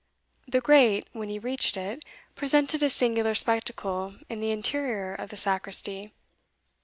The grate, when he reached it, presented a singular spectacle in the interior of the sacristy.